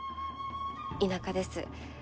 田舎です。